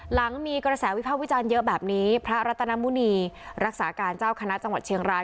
หลังมีกระแสวิภาควิจารณ์เยอะแบบนี้พระรัตนมุณีรักษาการเจ้าคณะจังหวัดเชียงราย